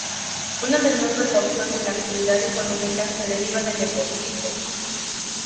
Una menor proporción de la actividad económica se deriva del ecoturismo.